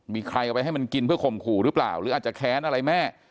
มีใครเอาไปให้มันกินเพื่อข่มขู่หรือเปล่าหรืออาจจะแค้นอะไรแม่